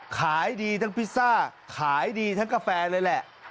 ขายดีทั้งพิซซ่าขายดีทั้งกาแฟเลยแหละ